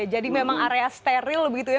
jadi memang area steril begitu ya